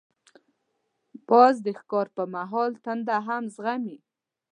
باز د ښکار پر مهال تنده هم زغمي